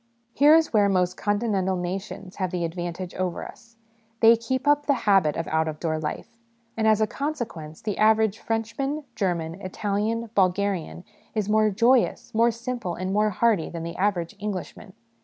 Here is where most Continental nations have the advantage over us ; they keep up the habit of out of door life ; and as a consequence, tne average Frenchman, German, Italian, Bulgarian, is more joyous, more simple, and more hardy than the average Englishman.